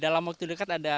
dalam waktu dekat ada